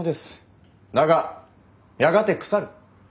だがやがて腐る。